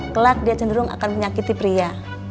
kelak dia cenderung akan menyakiti pria